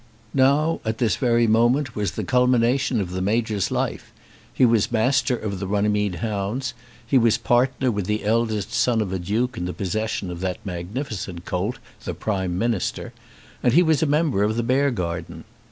Now, at this very moment, was the culmination of the Major's life. He was Master of the Runnymede Hounds, he was partner with the eldest son of a Duke in the possession of that magnificent colt, the Prime Minister, and he was a member of the Beargarden.